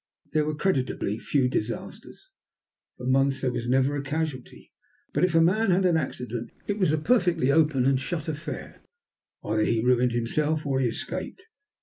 There were creditably few disasters. For months there was never a casualty. But if a man had an accident it was a perfectly open and shut affair. Either he ruined himself or he escaped.